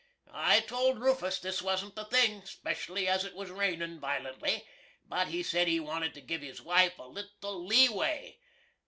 I toald Roofus this wasn't the thing, 'specially as it was rainin' vi'lently; but he said he wanted to giv his wife "a little lee way."